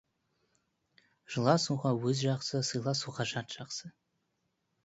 Жыласуға өз жақсы, сыйласуға жат жақсы.